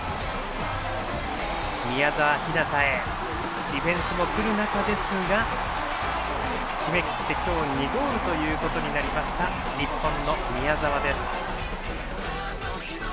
宮澤ひなたへディフェンスも来る中ですが決めきって今日２ゴールとなった日本の宮澤です。